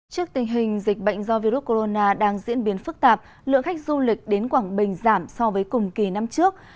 trước tình hình dịch bệnh do virus corona đang diễn biến phức tạp lượng khách du lịch đến quảng bình giảm so với cùng kỳ năm trước